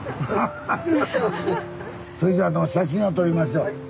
それじゃ写真を撮りましょう。